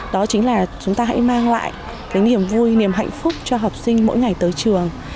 đó chính là chúng ta hãy mang lại cái niềm vui niềm hạnh phúc cho học sinh mỗi ngày tới trường